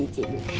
nanti ceritain ya